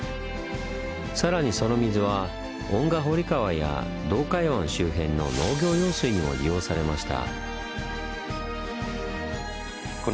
さらにその水は遠賀堀川や洞海湾周辺の農業用水にも利用されました。